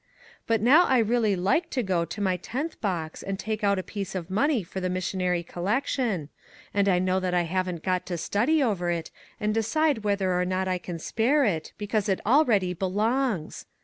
But now I really like to go to my tenth box and take out 170 NEW IDEAS a piece of money for the missionary collection, and know that I haven't got to study over it and decide whether or not I can spare it, because it already belongs.